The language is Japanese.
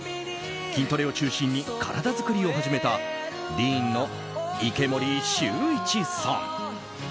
筋トレを中心に体作りを始めたＤＥＥＮの池森秀一さん。